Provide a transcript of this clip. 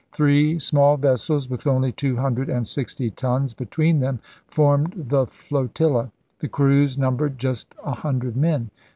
Three small vessels, with only two hundred and sixty tons between them, formed the flotilla. The crews numbered just a hundred men.